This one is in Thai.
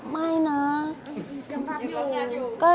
ไม่นะ